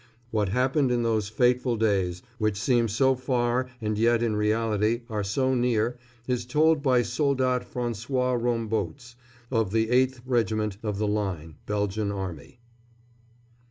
What happened in those fateful days, which seem so far and yet in reality are so near is told by Soldat François Rombouts, of the 8th Regiment of the Line, Belgian Army.